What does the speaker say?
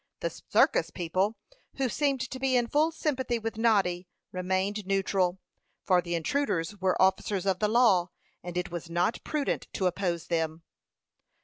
The circus people, who seemed to be in full sympathy with Noddy, remained neutral, for the intruders were officers of the law, and it was not prudent to oppose them.